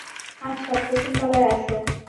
আচ্ছা প্রথম তলায় আসো।